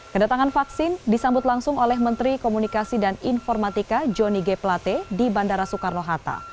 kedatangan vaksin disambut langsung oleh menteri komunikasi dan informatika johnny g plate di bandara soekarno hatta